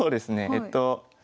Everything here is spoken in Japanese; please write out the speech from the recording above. えっと